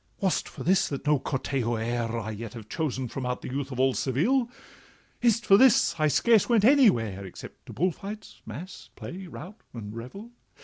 'Was it for this that no Cortejo e'er I yet have chosen from out the youth of Seville? Is it for this I scarce went anywhere, Except to bull fights, mass, play, rout, and revel?